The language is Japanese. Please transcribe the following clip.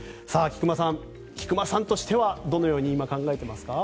菊間さんとしてはどのように今、考えていますか？